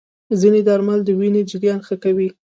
ځینې درمل د وینې جریان ښه کوي.